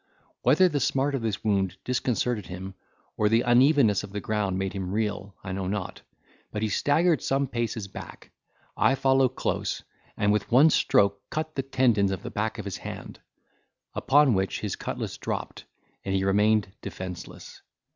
Whether the smart of this wound disconcerted him, or the unevenness of the ground made him reel, I know not, but he staggered some paces back: I followed close, and with one stroke cut the tendons of the back of his hand, Upon which his cutlass dropped, and he remained defenceless.